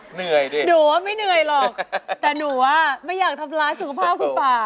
หนูว่าไม่เหนื่อยหรอกแต่หนูว่าไม่อยากทำลายสุขภาพคุณป่า